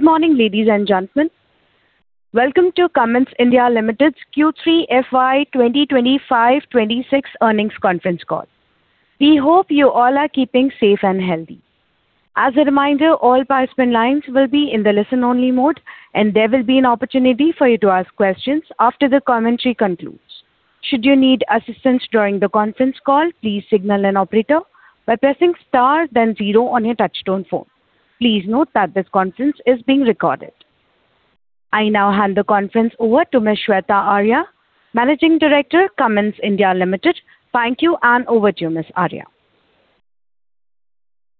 Good morning, ladies and gentlemen. Welcome to Cummins India Limited's Q3 FY 2025-2026 earnings conference call. We hope you all are keeping safe and healthy. As a reminder, all participant lines will be in the listen-only mode, and there will be an opportunity for you to ask questions after the commentary concludes. Should you need assistance during the conference call, please signal an operator by pressing star then zero on your touchtone phone. Please note that this conference is being recorded. I now hand the conference over to Ms. Shveta Arya, Managing Director, Cummins India Limited. Thank you, and over to you, Ms. Arya.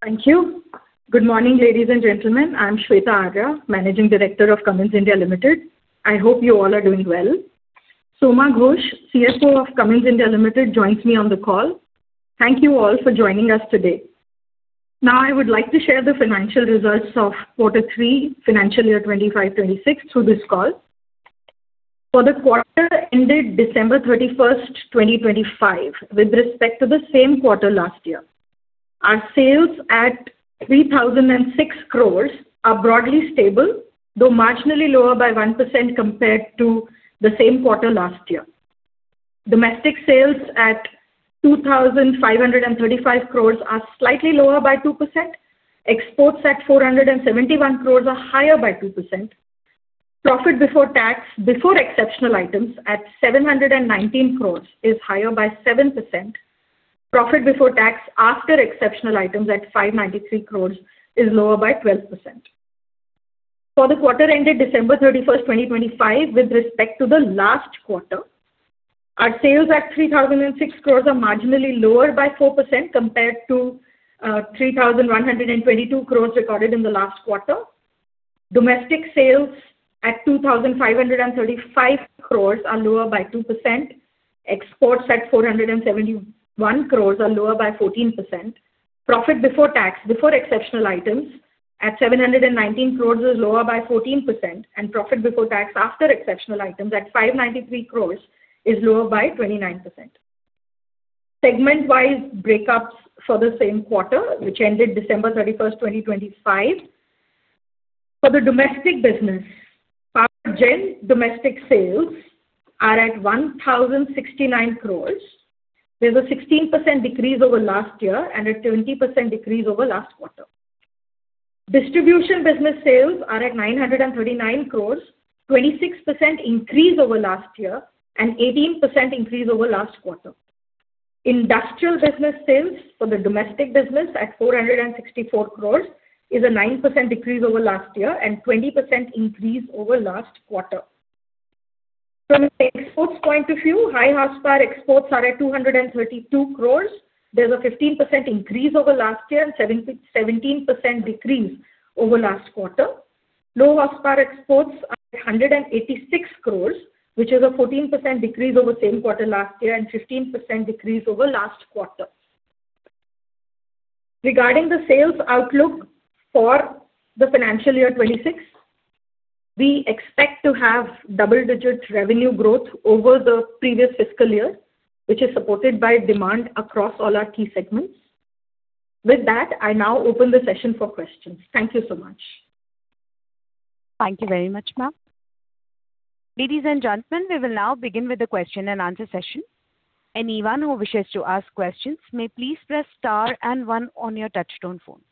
Thank you. Good morning, ladies and gentlemen. I'm Shveta Arya, Managing Director of Cummins India Limited. I hope you all are doing well. Soma Ghosh, CFO of Cummins India Limited, joins me on the call. Thank you all for joining us today. Now, I would like to share the financial results of quarter three, financial year 2025-26 through this call. For the quarter ended December 31st, 2025, with respect to the same quarter last year, our sales at 3,006 crore are broadly stable, though marginally lower by 1% compared to the same quarter last year. Domestic sales at 2,535 crore are slightly lower by 2%. Exports at 471 crore are higher by 2%. Profit before tax, before exceptional items at 719 crore, is higher by 7%. Profit before tax, after exceptional items at 593 crores, is lower by 12%. For the quarter ended December 31st, 2025, with respect to the last quarter, our sales at 3,006 crores are marginally lower by 4% compared to 3,122 crores recorded in the last quarter. Domestic sales at 2,535 crores are lower by 2%. Exports at 471 crores are lower by 14%. Profit before tax, before exceptional items at 719 crores, is lower by 14%, and profit before tax, after exceptional items at 593 crores, is lower by 29%. Segment-wise breakups for the same quarter, which ended December 31st, 2025. For the domestic business, Power Gen domestic sales are at 1,069 crores. There's a 16% decrease over last year and a 20% decrease over last quarter. Distribution business sales are at 939 crore, 26% increase over last year and 18% increase over last quarter. Industrial business sales for the domestic business at 464 crore is a 9% decrease over last year and 20% increase over last quarter. From an exports point of view, High Horsepower exports are at 232 crore. There's a 15% increase over last year and 17% decrease over last quarter. Low Horsepower exports are at 186 crore, which is a 14% decrease over same quarter last year and 15% decrease over last quarter. Regarding the sales outlook for the financial year 2026, we expect to have double-digit revenue growth over the previous fiscal year, which is supported by demand across all our key segments. With that, I now open the session for questions. Thank you so much. Thank you very much, ma'am. Ladies and gentlemen, we will now begin with the question and answer session. Anyone who wishes to ask questions may please press star and one on your touchtone phone.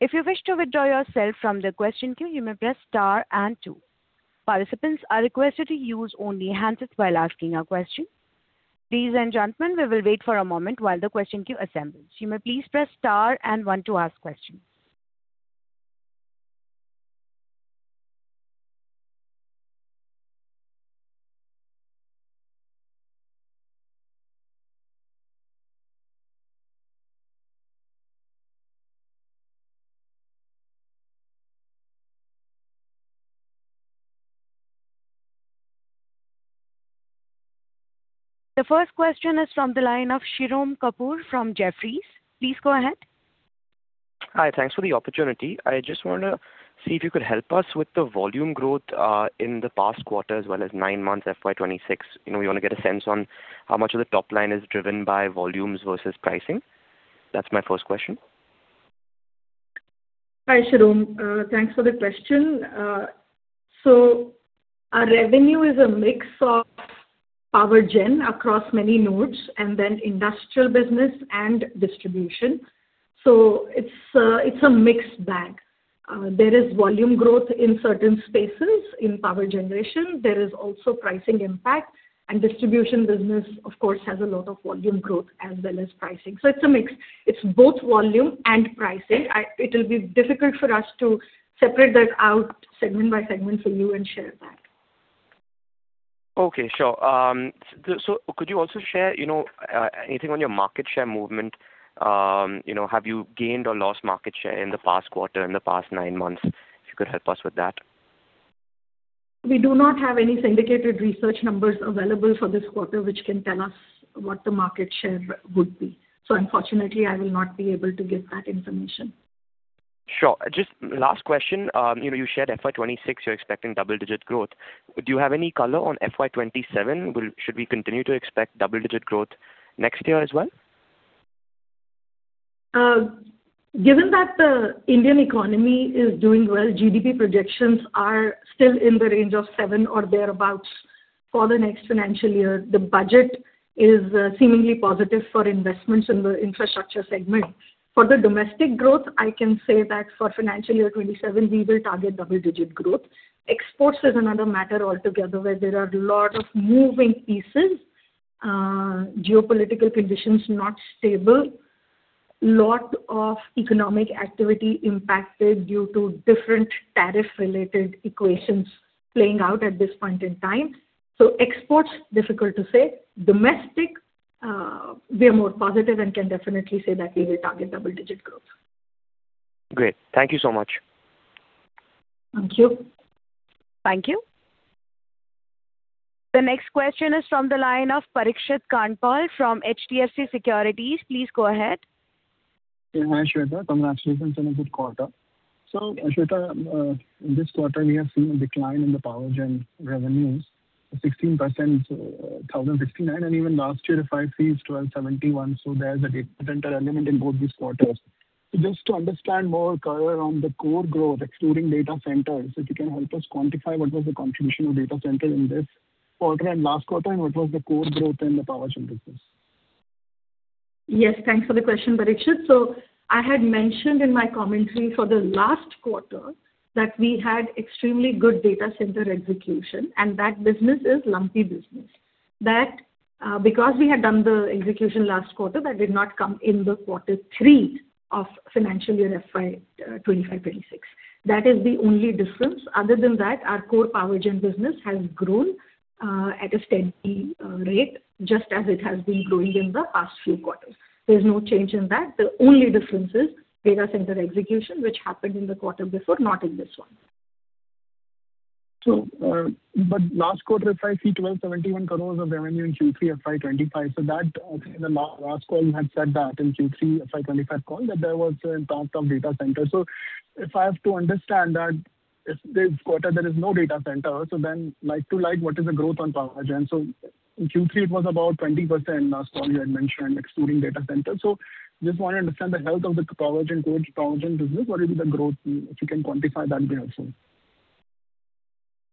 If you wish to withdraw yourself from the question queue, you may press star and two. Participants are requested to use only handsets while asking a question. Ladies and gentlemen, we will wait for a moment while the question queue assembles. You may please press star and one to ask questions. The first question is from the line of Shirom Kapur from Jefferies. Please go ahead. Hi, thanks for the opportunity. I just want to see if you could help us with the volume growth in the past quarter, as well as nine months FY 2026. You know, we want to get a sense on how much of the top line is driven by volumes versus pricing. That's my first question. Hi, Shirom, thanks for the question. So our revenue is a mix of power gen across many nodes and then industrial business and distribution. So it's, it's a mixed bag. There is volume growth in certain spaces in power generation. There is also pricing impact, and distribution business, of course, has a lot of volume growth as well as pricing. So it's a mix. It's both volume and pricing. It will be difficult for us to separate that out segment by segment for you and share that. Okay, sure. So could you also share, you know, anything on your market share movement? You know, have you gained or lost market share in the past quarter, in the past nine months? If you could help us with that. We do not have any syndicated research numbers available for this quarter, which can tell us what the market share would be. Unfortunately, I will not be able to give that information. Sure. Just last question. You know, you shared FY 2026, you're expecting double digit growth. Do you have any color on FY 2027? Will, should we continue to expect double digit growth next year as well? Given that the Indian economy is doing well, GDP projections are still in the range of seven or thereabouts for the next financial year. The budget is seemingly positive for investments in the infrastructure segment. For the domestic growth, I can say that for financial year 2027, we will target double-digit growth. Exports is another matter altogether, where there are a lot of moving pieces, geopolitical conditions not stable, lot of economic activity impacted due to different tariff-related equations playing out at this point in time. So exports, difficult to say. Domestic, we are more positive and can definitely say that we will target double-digit growth. Great, thank you so much. Thank you. Thank you. The next question is from the line of Parikshit Kandpal from HDFC Securities. Please go ahead. Yeah, hi, Shveta. Congratulations on a good quarter. So, Shveta, in this quarter, we have seen a decline in the Power Gen revenues, 16%, 1,059, and even last year, FY is 1,271, so there's a data center element in both these quarters. Just to understand more color on the core growth, excluding data centers, if you can help us quantify what was the contribution of data center in this quarter and last quarter, and what was the core growth in the Power Gen business? Yes, thanks for the question, Parikshit. So I had mentioned in my commentary for the last quarter, that we had extremely good data center execution, and that business is lumpy business. That, because we had done the execution last quarter, that did not come in quarter three of financial year FY 2025-2026. That is the only difference. Other than that, our core power gen business has grown at a steady rate, just as it has been growing in the past few quarters. There's no change in that. The only difference is data center execution, which happened in the quarter before, not in this one. So, but last quarter, FY is 1,271 crores of revenue in Q3 FY 2025, so that in the last call, you had said that in Q3 FY 2025 call, that there was an impact of data center. So if I have to understand that, if this quarter there is no data center, so then like to like, what is the growth on power gen? So in Q3, it was about 20%, last call you had mentioned, excluding data center. So just want to understand the health of the power gen, core power gen business, what will be the growth, if you can quantify that way also.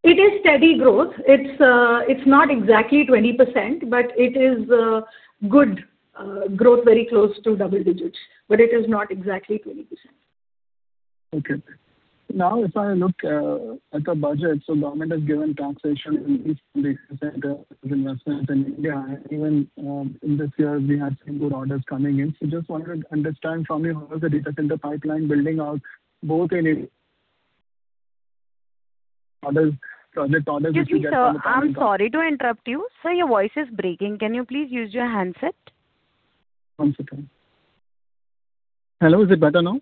It is steady growth. It's not exactly 20%, but it is good growth, very close to double digits, but it is not exactly 20%. Okay. Now, if I look at the budget, so government has given taxation in data center investments in India, and even in this year, we had some good orders coming in. So just wanted to understand from you, how is the data center pipeline building out, both in... orders, project orders which we get from the- Excuse me, sir, I'm sorry to interrupt you. Sir, your voice is breaking. Can you please use your handset? One second. Hello, is it better now?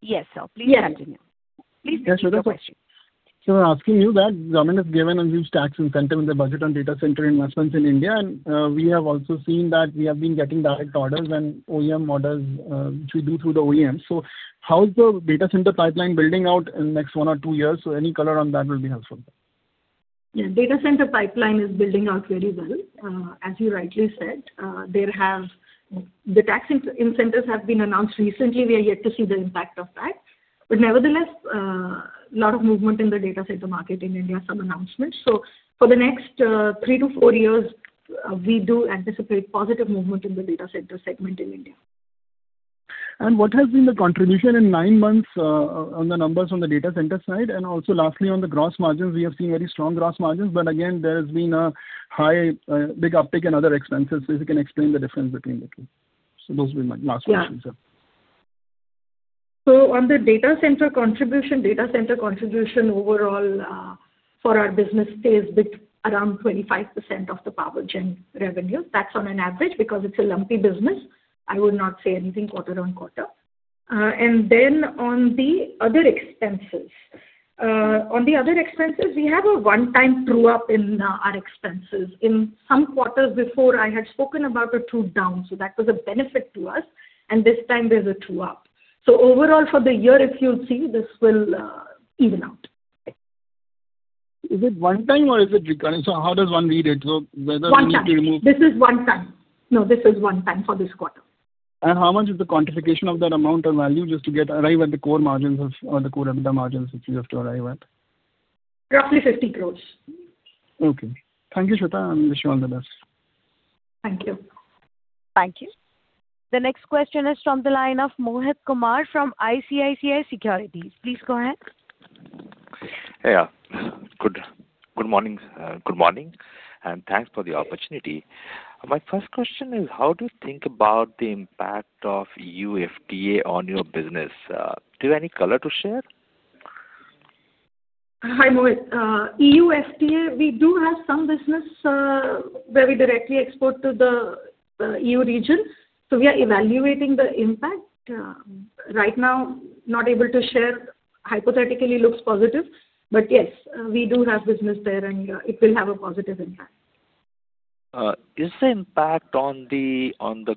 Yes, sir. Yes. Please continue. Please continue with your question. So I'm asking you that government has given a huge tax incentive in the budget on data center investments in India, and we have also seen that we have been getting direct orders and OEM orders, which we do through the OEM. So how is the data center pipeline building out in the next one or two years? So any color on that will be helpful. Yeah, data center pipeline is building out very well. As you rightly said, there have... The tax incentives have been announced recently, we are yet to see the impact of that. But nevertheless, a lot of movement in the data center market in India, some announcements. So for the next 3-4 years, we do anticipate positive movement in the data center segment in India. What has been the contribution in nine months on the numbers on the data center side? Also lastly, on the gross margins, we have seen very strong gross margins, but again, there has been a high big uptick in other expenses. So if you can explain the difference between the two? So those were my last questions, yeah. So on the data center contribution, data center contribution overall, for our business is around 25% of the power gen revenue. That's on an average, because it's a lumpy business. I would not say anything quarter-over-quarter. And then on the other expenses, on the other expenses, we have a one-time true-up in our expenses. In some quarters before, I had spoken about a true-down, so that was a benefit to us, and this time there's a true-up. So overall for the year, if you'll see, this will even out. Is it one time or is it recurring? So how does one read it? So whether one need to remove- One time. This is one time. No, this is one time for this quarter. How much is the quantification of that amount or value just to get, arrive at the core margins of, or the core EBITDA margins, which we have to arrive at? Roughly 50 crore. Okay. Thank you, Shveta, and wish you all the best. Thank you. Thank you. The next question is from the line of Mohit Kumar from ICICI Securities. Please go ahead. Yeah. Good, good morning, good morning, and thanks for the opportunity. My first question is: How do you think about the impact of EU FTA on your business? Do you have any color to share? Hi, Mohit. EU FTA, we do have some business, where we directly export to the, EU region, so we are evaluating the impact. Right now, not able to share. Hypothetically, looks positive, but yes, we do have business there and, it will have a positive impact. Is the impact on the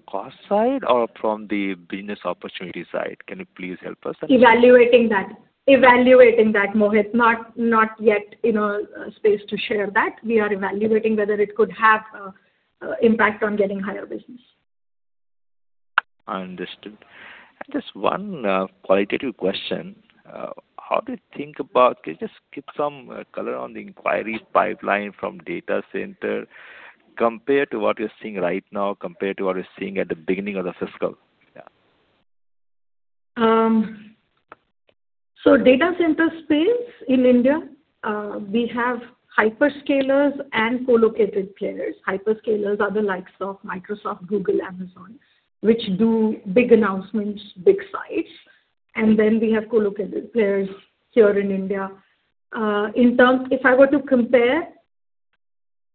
cost side or from the business opportunity side? Can you please help us? Evaluating that. Evaluating that, Mohit. Not, not yet in a space to share that. We are evaluating whether it could have impact on getting higher business. Understood. And just one qualitative question. Can you just give some color on the inquiry pipeline from data center compared to what you're seeing right now, compared to what you're seeing at the beginning of the fiscal? Yeah. So, data center space in India, we have hyperscalers and co-located players. Hyperscalers are the likes of Microsoft, Google, Amazon, which do big announcements, big sites, and then we have co-located players here in India. In terms, if I were to compare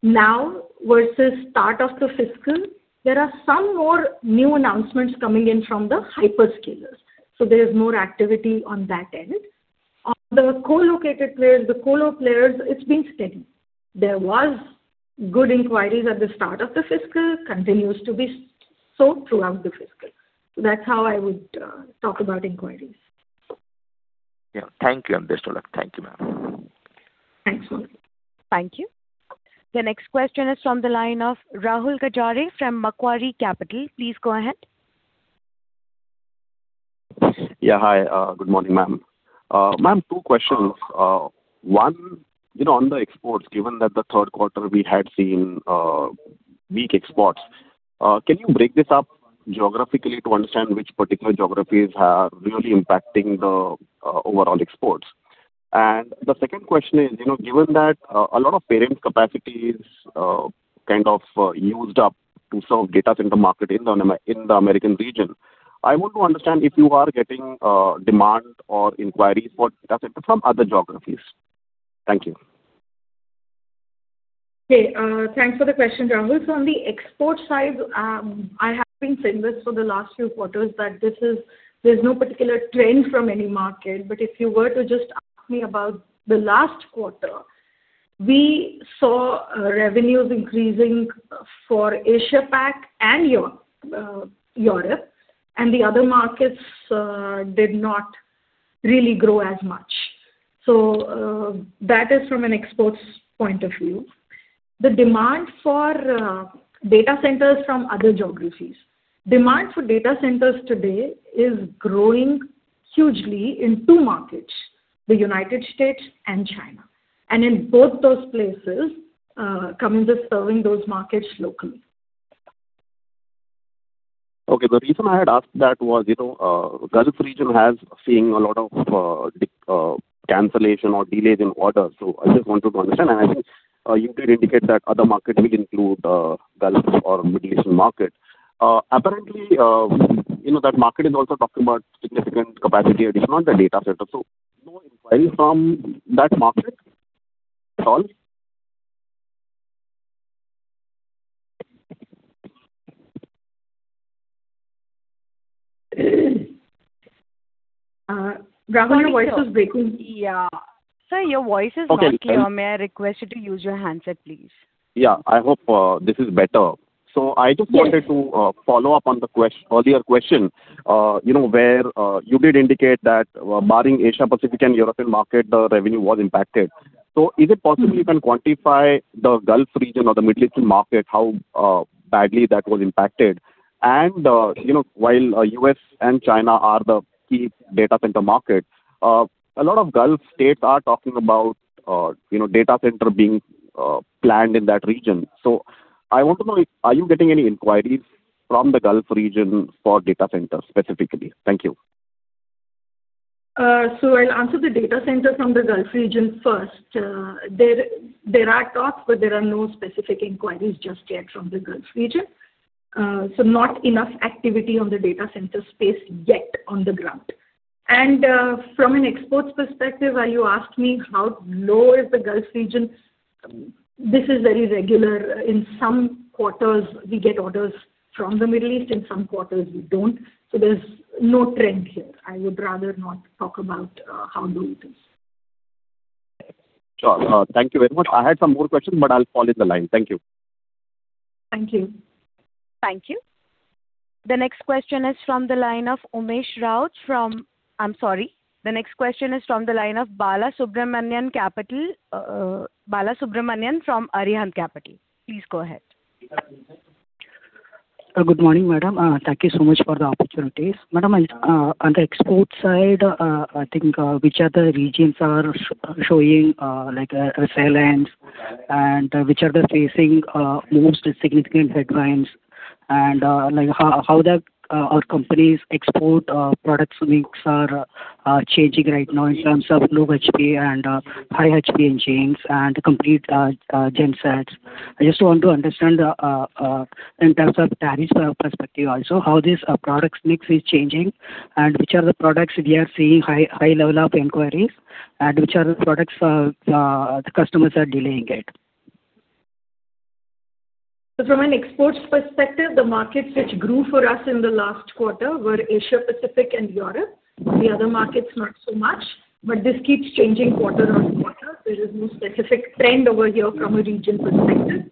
now versus start of the fiscal, there are some more new announcements coming in from the hyperscalers, so there is more activity on that end. On the co-located players, the co-lo players, it's been steady. There was good inquiries at the start of the fiscal, continues to be so throughout the fiscal. So that's how I would talk about inquiries. Yeah. Thank you. Understood. Thank you, ma'am. Thanks. Thank you. The next question is from the line of Rahul Gajare from Macquarie Capital. Please go ahead. Yeah, hi. Good morning, ma'am. Ma'am, two questions. One, you know, on the exports, given that the third quarter we had seen weak exports, can you break this up geographically to understand which particular geographies are really impacting the overall exports? And the second question is, you know, given that a lot of parent capacity is kind of used up to serve data center market in the American region, I want to understand if you are getting demand or inquiries for data from other geographies. Thank you. Okay. Thanks for the question, Rahul. So on the export side, I have been saying this for the last few quarters, that this is—there's no particular trend from any market. But if you were to just ask me about the last quarter, we saw revenues increasing for Asia-Pac and Europe, and the other markets did not really grow as much. So that is from an exports point of view. The demand for data centers from other geographies. Demand for data centers today is growing hugely in two markets, the United States and China, and in both those places, coming to serving those markets locally. Okay. The reason I had asked that was, you know, Gulf region has seen a lot of, cancellation or delays in orders. So I just wanted to understand, and I think, you did indicate that other markets will include, Gulf or Middle Eastern markets. Apparently, you know, that market is also talking about significant capacity addition on the data center. So no inquiry from that market at all? Rahul, your voice is breaking. Yeah. Sir, your voice is not clear. Okay. May I request you to use your handset, please? Yeah, I hope this is better. Yes. So I just wanted to follow up on the earlier question, you know, where you did indicate that barring Asia Pacific and European market, the revenue was impacted. So is it possible you can quantify the Gulf region or the Middle Eastern market, how badly that was impacted? And, you know, while U.S. and China are the key data center markets, a lot of Gulf states are talking about, you know, data center being planned in that region. So I want to know, are you getting any inquiries from the Gulf region for data centers specifically? Thank you. So I'll answer the data center from the Gulf region first. There are talks, but there are no specific inquiries just yet from the Gulf region. So not enough activity on the data center space yet on the ground. And from an exports perspective, while you asked me how low is the Gulf region, this is very regular. In some quarters, we get orders from the Middle East, in some quarters we don't. So there's no trend here. I would rather not talk about how low it is. Sure. Thank you very much. I had some more questions, but I'll follow the line. Thank you. Thank you. Thank you. The next question is from the line of Umesh Raut from. I'm sorry. The next question is from the line of Balasubramanian Capital, Balasubramanian from Arihant Capital. Please go ahead. Good morning, madam. Thank you so much for the opportunity. Madam, on the export side, I think, which other regions are showing, like, resilience, and which are they facing most significant headwinds? Like, how the our company's export products mix are changing right now in terms of low HP and high HP engines and complete gen sets? I just want to understand, in terms of tariffs perspective also, how this products mix is changing, and which are the products we are seeing high level of inquiries, and which are the products the customers are delaying? So from an exports perspective, the markets which grew for us in the last quarter were Asia Pacific and Europe. The other markets, not so much, but this keeps changing quarter-over-quarter. There is no specific trend over here from a regional perspective.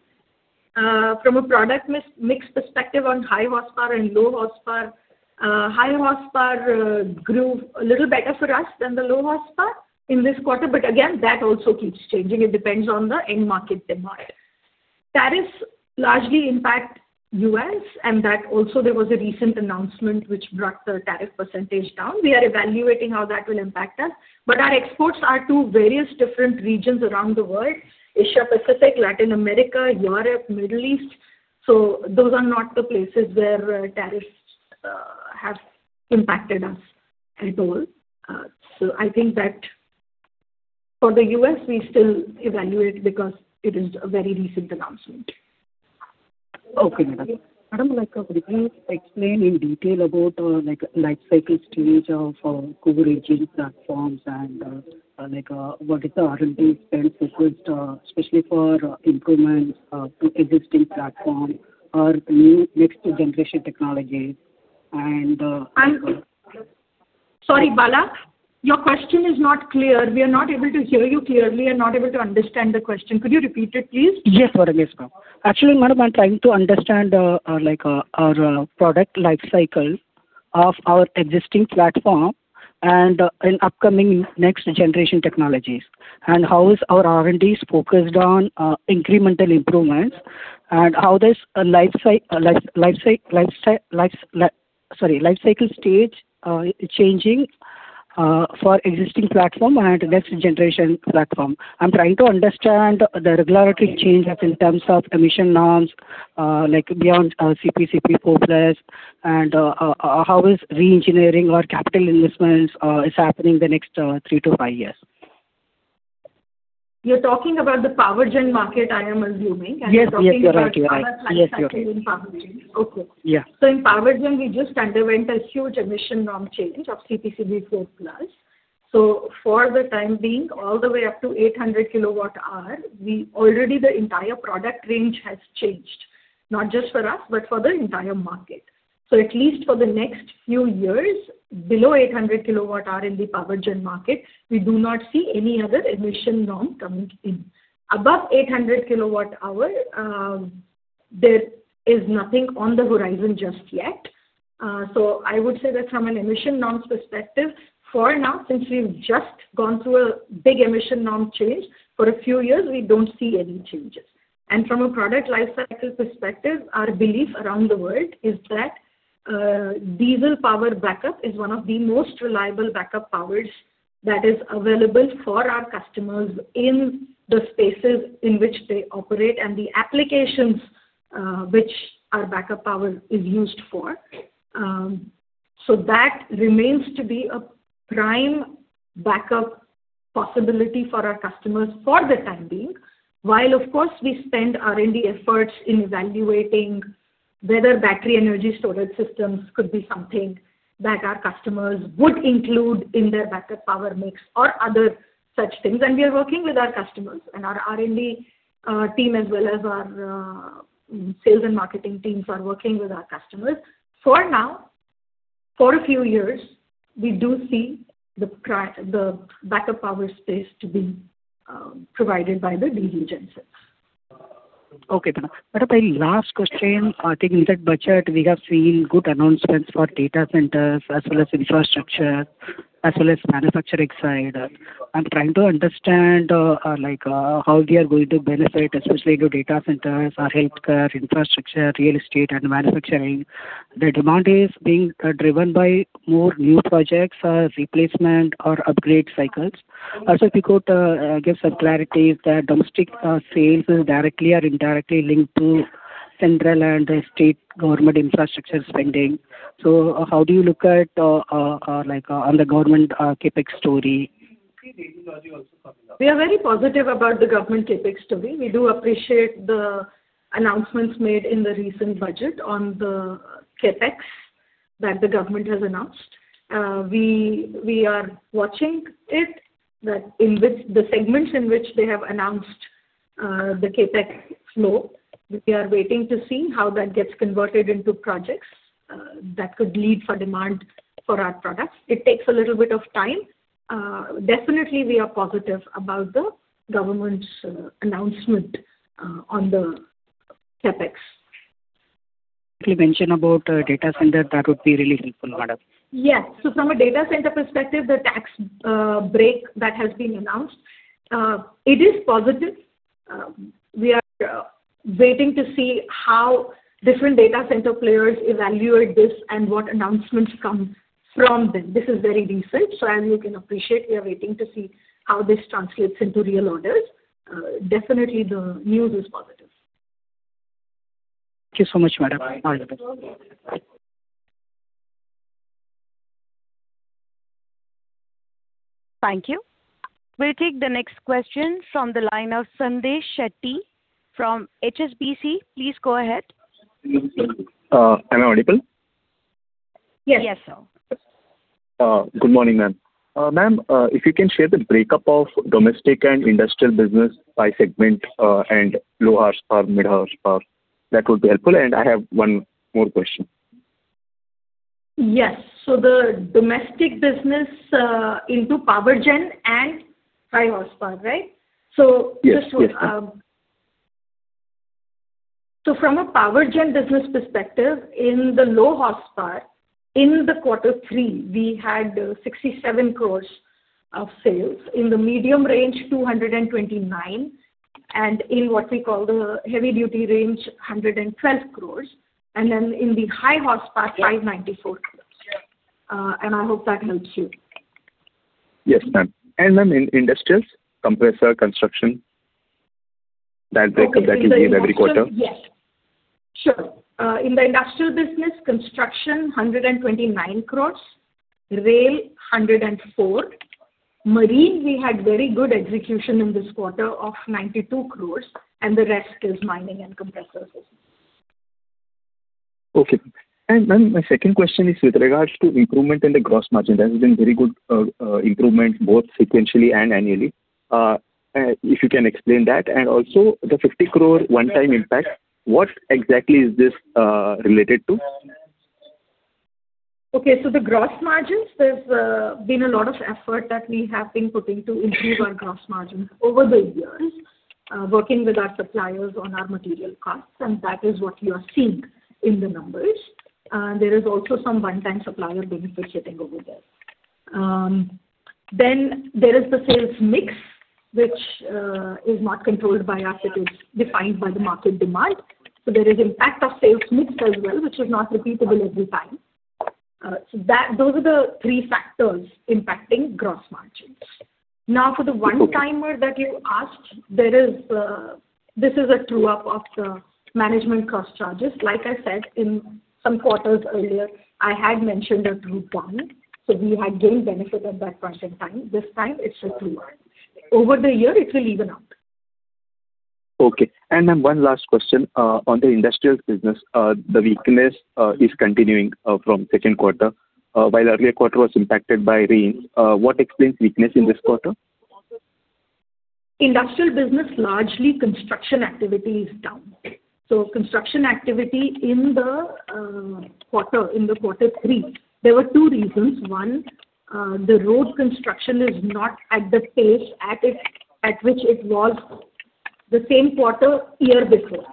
From a product mix perspective on High Horsepower and Low Horsepower, High Horsepower grew a little better for us than the Low Horsepower in this quarter, but again, that also keeps changing. It depends on the end market demand. Tariffs largely impact US, and that also there was a recent announcement which brought the tariff percentage down. We are evaluating how that will impact us, but our exports are to various different regions around the world: Asia Pacific, Latin America, Europe, Middle East. So those are not the places where tariffs have impacted us at all. So, I think that for the U.S., we still evaluate because it is a very recent announcement. Okay, madam. Madam, like, could you explain in detail about, like, life cycle stage of, power engine platforms and, like, what is the R&D spend focused, especially for improvements, to existing platform or new next generation technology? And, I'm sorry, Bala, your question is not clear. We are not able to hear you clearly and not able to understand the question. Could you repeat it, please? Yes, madam. Yes, ma'am. Actually, madam, I'm trying to understand, like, our product life cycle of our existing platform and in upcoming next generation technologies. And how is our R&Ds focused on, incremental improvements, and how does a life cycle stage changing, for existing platform and next generation platform? I'm trying to understand the regulatory changes in terms of emission norms, like beyond CPCB IV+, and, how is reengineering or capital investments is happening the next three to years. You're talking about the power gen market, I am assuming— Yes, yes, you're right. You're talking about our life cycle in power gen. Okay. Yeah. So in power gen, we just underwent a huge emission norm change of CPCB IV+. So for the time being, all the way up to 800 kWh, we already the entire product range has changed, not just for us, but for the entire market. So at least for the next few years, below 800 kWh in the power gen market, we do not see any other emission norm coming in. Above 800 kWh, there is nothing on the horizon just yet. So I would say that from an emission norms perspective, for now, since we've just gone through a big emission norm change, for a few years, we don't see any changes. From a product life cycle perspective, our belief around the world is that diesel power backup is one of the most reliable backup powers that is available for our customers in the spaces in which they operate and the applications which our backup power is used for. So that remains to be a prime backup possibility for our customers for the time being, while of course we spend R&D efforts in evaluating whether battery energy storage systems could be something that our customers would include in their backup power mix or other such things. We are working with our customers, and our R&D team, as well as our sales and marketing teams are working with our customers. For now, for a few years, we do see the backup power space to be provided by the diesel gensets. Okay, madam. Madam, my last question, I think in that budget, we have seen good announcements for data centers as well as infrastructure, as well as manufacturing side. I'm trying to understand, like, how we are going to benefit, especially the data centers or healthcare, infrastructure, real estate and manufacturing. The demand is being driven by more new projects or replacement or upgrade cycles. Also, if you could give some clarity, the domestic sales is directly or indirectly linked to central and state government infrastructure spending. So how do you look at, like, on the government CapEx story? We are very positive about the government CapEx story. We do appreciate the announcements made in the recent budget on the CapEx that the government has announced. We are watching it, that in which the segments in which they have announced the CapEx flow. We are waiting to see how that gets converted into projects that could lead for demand for our products. It takes a little bit of time. Definitely, we are positive about the government's announcement on the CapEx. If you mention about data center, that would be really helpful, madam. Yes. So from a data center perspective, the tax break that has been announced, it is positive. We are waiting to see how different data center players evaluate this and what announcements come from them. This is very recent, so as you can appreciate, we are waiting to see how this translates into real orders. Definitely, the news is positive. Thank you so much, madam. All the best. Thank you. We'll take the next question from the line of Sandesh Shetty from HSBC. Please go ahead. Am I audible? Yes. Yes, sir. Good morning, ma'am. Ma'am, if you can share the breakup of domestic and industrial business by segment, and Low Horsepower, mid horsepower, that would be helpful. I have one more question. Yes. So the domestic business into power gen and High Horsepower, right? So- Yes, yes. So from a power gen business perspective, in the Low Horsepower, in the quarter three, we had 67 crores of sales. In the medium range, 229 crores, and in what we call the heavy duty range, 112 crores, and then in the High Horsepower, 594 crores. And I hope that helps you. Yes, ma'am. Ma'am, in industrials, compressor, construction, that breakup that you gave every quarter? Yes. Sure. In the industrial business, construction, 129 crore, rail, 104 crore, marine, we had very good execution in this quarter of 92 crore, and the rest is mining and compressor business. Okay. And ma'am, my second question is with regards to improvement in the gross margin. There has been very good improvement, both sequentially and annually. If you can explain that, and also the 50 crore one-time impact, what exactly is this related to? Okay, so the gross margins, there's been a lot of effort that we have been putting to improve our gross margin over the years, working with our suppliers on our material costs, and that is what you are seeing in the numbers. There is also some one-time supplier benefit sitting over there. Then there is the sales mix, which is not controlled by us, it is defined by the market demand. So there is impact of sales mix as well, which is not repeatable every time. So that, those are the three factors impacting gross margins. Now, for the one-timer that you asked, there is this is a true-up of the management cost charges. Like I said, in some quarters earlier, I had mentioned a true-down, so we had gained benefit at that point in time. This time, it's a true-up. Over the year, it will even out. Okay. And then one last question, on the industrial business. The weakness is continuing from second quarter. While the earlier quarter was impacted by rain, what explains weakness in this quarter? Industrial business, largely construction activity is down. So construction activity in the quarter, in the quarter three, there were two reasons. One, the road construction is not at the pace at which it was the same quarter, year before.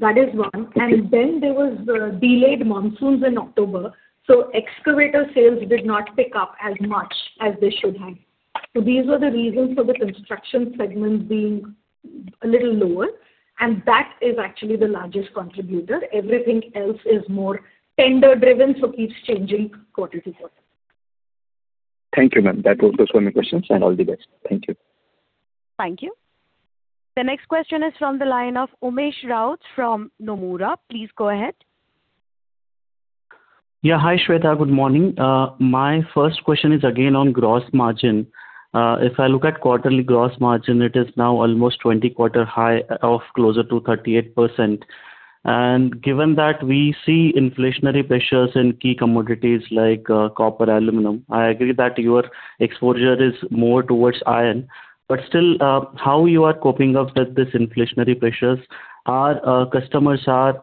That is one. And then there was delayed monsoons in October, so excavator sales did not pick up as much as they should have. So these were the reasons for the construction segment being a little lower, and that is actually the largest contributor. Everything else is more tender driven, so keeps changing quarter to quarter. Thank you, ma'am. Those were my questions, and all the best. Thank you. Thank you. The next question is from the line of Umesh Raut from Nomura. Please go ahead. Yeah, hi, Shveta. Good morning. My first question is again on gross margin. If I look at quarterly gross margin, it is now almost 20-quarter high, of closer to 38%. And given that we see inflationary pressures in key commodities like, copper, aluminum, I agree that your exposure is more towards iron. But still, how you are coping up with this inflationary pressures? Our, customers are,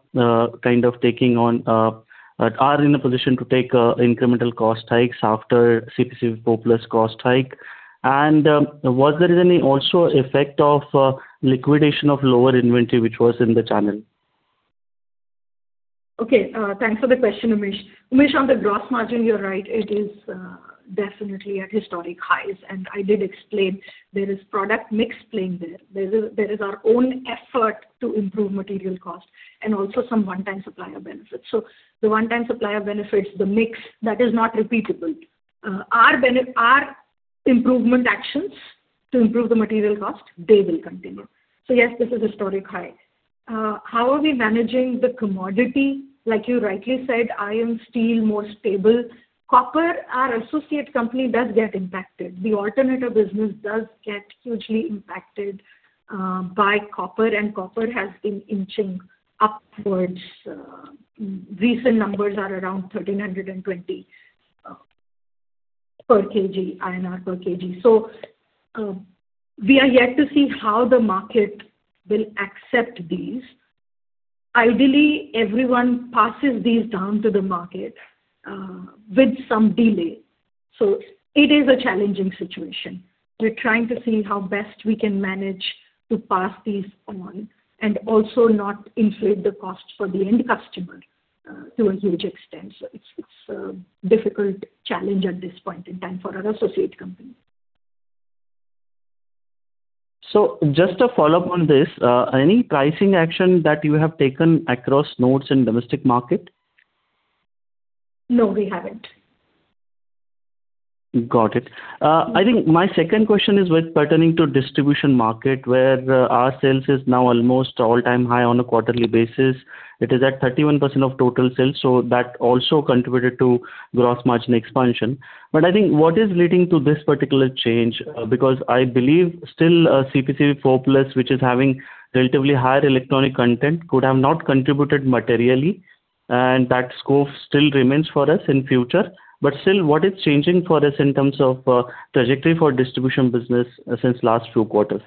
kind of taking on, are in a position to take, incremental cost hikes after CPCB IV+ cost hike. And, was there any also effect of, liquidation of lower inventory which was in the channel? Okay, thanks for the question, Umesh. Umesh, on the gross margin, you're right, it is definitely at historic highs. And I did explain there is product mix playing there. There is our own effort to improve material cost and also some one-time supplier benefits. So the one-time supplier benefits, the mix, that is not repeatable. Our improvement actions to improve the material cost, they will continue. So yes, this is historic high. How are we managing the commodity? Like you rightly said, iron, steel, more stable. Copper, our associate company does get impacted. The alternator business does get hugely impacted by copper, and copper has been inching upwards. Recent numbers are around 1,320 per kg. So, we are yet to see how the market will accept these. Ideally, everyone passes these down to the market with some delay, so it is a challenging situation. We're trying to see how best we can manage to pass these on and also not inflate the cost for the end customer to a huge extent. So it's a difficult challenge at this point in time for our associate company. Just a follow-up on this, any pricing action that you have taken across nodes in domestic market? No, we haven't. Got it. I think my second question is with pertaining to distribution market, where, our sales is now almost all-time high on a quarterly basis. It is at 31% of total sales, so that also contributed to gross margin expansion. But I think what is leading to this particular change? Because I believe still, CPCB IV+, which is having relatively higher electronic content, could have not contributed materially, and that scope still remains for us in future. But still, what is changing for us in terms of, trajectory for distribution business, since last few quarters?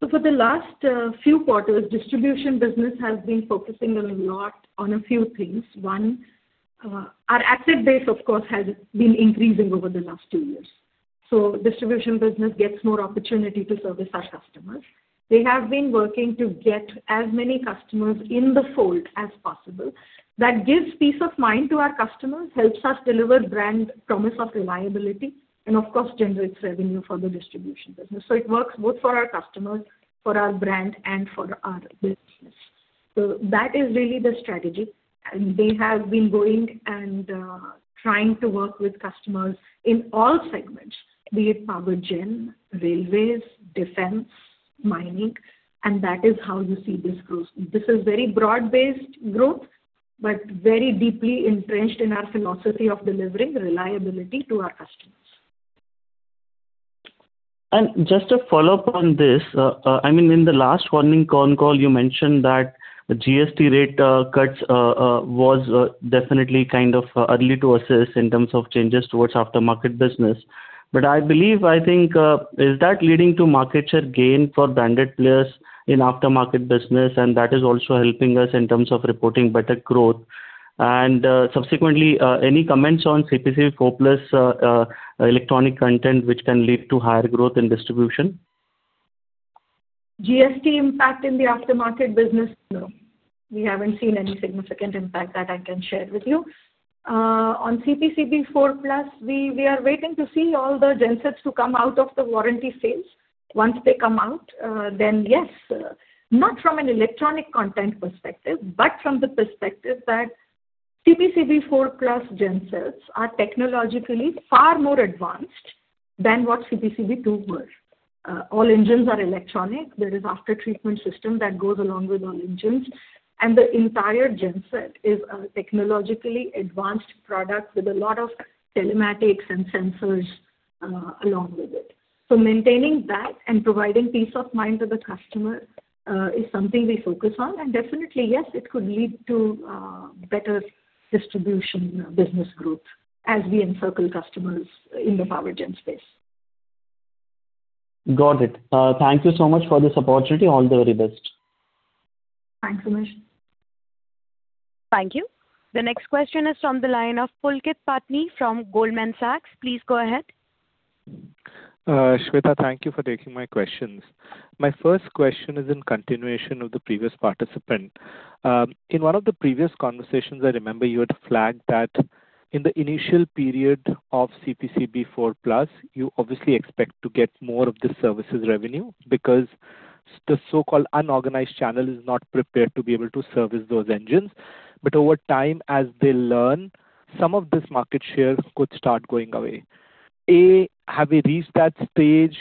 So for the last few quarters, distribution business has been focusing a lot on a few things. One, our asset base, of course, has been increasing over the last two years. So distribution business gets more opportunity to service our customers. They have been working to get as many customers in the fold as possible. That gives peace of mind to our customers, helps us deliver brand promise of reliability, and of course generates revenue for the distribution business. So it works both for our customers, for our brand, and for our business. So that is really the strategy, and they have been going and trying to work with customers in all segments, be it power gen, railways, defense, mining, and that is how you see this growth. This is very broad-based growth, but very deeply entrenched in our philosophy of delivering reliability to our customers. Just a follow-up on this, I mean, in the last earnings call, you mentioned that the GST rate cuts was definitely kind of early to assess in terms of changes towards after-market business. But I believe, I think, is that leading to market share gain for branded players in after-market business, and that is also helping us in terms of reporting better growth? And, subsequently, any comments on CPCB IV+ electronic content which can lead to higher growth in distribution? GST impact in the after-market business, no. We haven't seen any significant impact that I can share with you. On CPCB IV+, we are waiting to see all the gensets who come out of the warranty phase. Once they come out, then, yes, not from an electronic content perspective, but from the perspective that CPCB IV+ gensets are technologically far more advanced than what CPCB II were. All engines are electronic. There is after-treatment system that goes along with all engines, and the entire genset is a technologically advanced product with a lot of telematics and sensors along with it. So maintaining that and providing peace of mind to the customer is something we focus on. And definitely, yes, it could lead to better distribution business growth as we encircle customers in the power gen space. Got it. Thank you so much for this opportunity. All the very best. Thanks, Umesh. Thank you. The next question is from the line of Pulkit Patni from Goldman Sachs. Please go ahead. Shveta, thank you for taking my questions. My first question is in continuation of the previous participant. In one of the previous conversations, I remember you had flagged that in the initial period of CPCB IV+, you obviously expect to get more of the services revenue because the so-called unorganized channel is not prepared to be able to service those engines. But over time, as they learn, some of this market shares could start going away. A, have we reached that stage,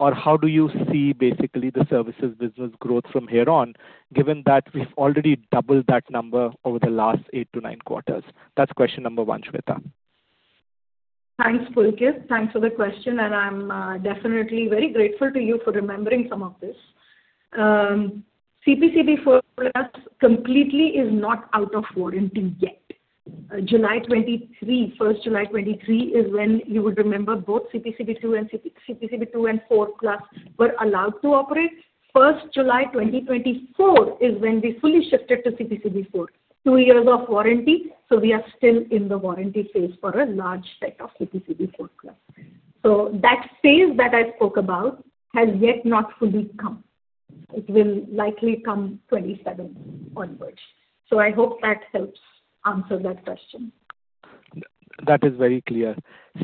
or how do you see basically the services business growth from here on, given that we've already doubled that number over the last eight to nine quarters? That's question number one, Shveta. Thanks, Pulkit. Thanks for the question, and I'm definitely very grateful to you for remembering some of this. CPCB IV+ completely is not out of warranty yet. July 2023, first July 2023, is when you would remember both CPCB II and CPCB IV+ were allowed to operate. First July 2024 is when we fully shifted to CPCB IV. Two years of warranty, so we are still in the warranty phase for a large set of CPCB IV+. So that phase that I spoke about has yet not fully come. It will likely come 2027 onwards. So I hope that helps answer that question. That is very clear.